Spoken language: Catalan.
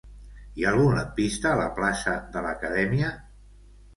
Hi ha algun lampista a la plaça de l'Acadèmia?